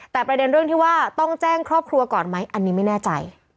แต่ประเด็นเรื่องที่ว่าต้องแจ้งครอบครัวก่อนไหมอันนี้ไม่แน่ใจ